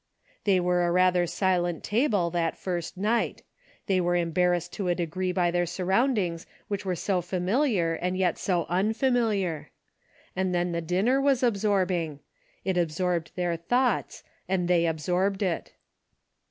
They were a rather silent table that first night. They were embarrassed to a degree by their surroundings which were so familiar and yet so unfamiliar. And then the dinner was absorbing. It absorbed their thoughts and they absorbed it.